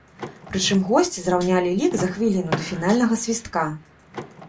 Прычым госці зраўнялі лік за хвіліну да фінальнага свістка.